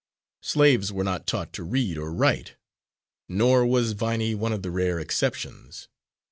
Slaves were not taught to read or write, nor was Viney one of the rare exceptions.